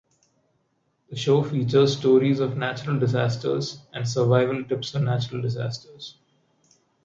The show features stories of natural disasters and survival tips for natural disasters.